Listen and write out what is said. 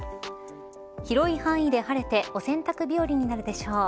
広い範囲で晴れてお洗濯日和になるでしょう。